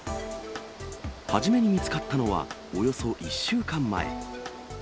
初めに見つかったのはおよそ１週間前。